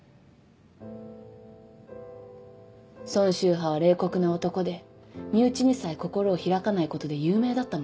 波は冷酷な男で身内にさえ心を開かないことで有名だったもの。